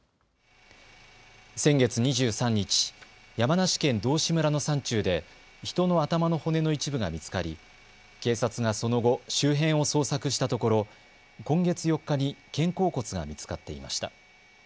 先月２３日、山梨県道志村の山中で人の頭の骨の一部が見つかり警察がその後、周辺を捜索したところ今月４日に肩甲骨が見つかっていました。